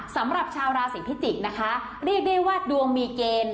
สำหรับชาวราศีพิจิกษ์นะคะเรียกได้ว่าดวงมีเกณฑ์